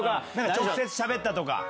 直接しゃべったとか。